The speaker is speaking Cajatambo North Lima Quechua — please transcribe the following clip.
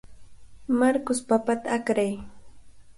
Marcos, papata akray.